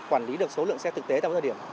quản lý được số lượng xe thực tế trong thời điểm